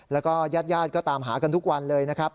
แล้วก็ญาติก็ตามหากันทุกวันเลยนะครับ